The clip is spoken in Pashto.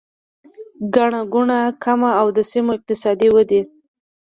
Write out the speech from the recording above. ګڼه ګوڼه کمه او د سیمو اقتصادي ودې